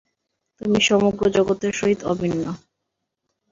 তুমি সমগ্র জগতের সহিত অভিন্ন।